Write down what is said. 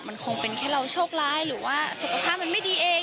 มันคงเป็นแค่เราโชคร้ายหรือว่าสุขภาพมันไม่ดีเอง